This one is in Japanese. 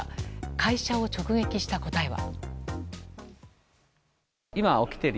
会社を直撃した答えは。